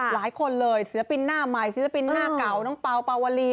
หลายคนเลยศิลปินหน้าใหม่ศิลปินหน้าเก่าน้องเปล่าปาวลี